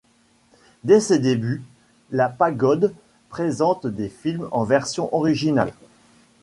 Dès ses débuts, La Pagode présente des films en version originale.